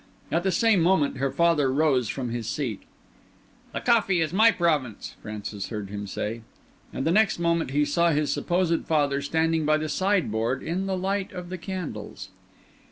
At the same moment her father rose from his seat. "The coffee is my province," Francis heard him say. And next moment he saw his supposed father standing by the sideboard in the light of the candles.